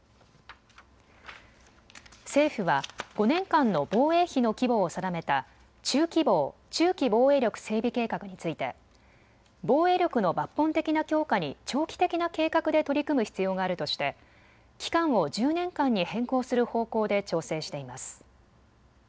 政府は５年間の防衛費の規模を定めた中期防・中期防衛力整備計画について防衛力の抜本的な強化に長期的な計画で取り組む必要があるとして期間を１０年間に変更する方向で調整しています。